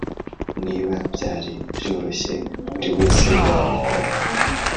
niba byari byoroshye buriwese yabikora.